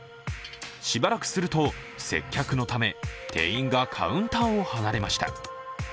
しばらくすると、接客のため店員がカウンターを離れました。